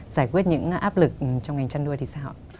giải quyết những áp lực trong ngành chăn nuôi thì sao ạ